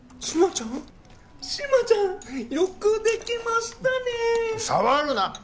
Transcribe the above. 志摩ちゃんよくできましたね触るな！